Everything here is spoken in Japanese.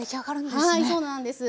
はいそうなんです。